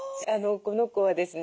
この子はですね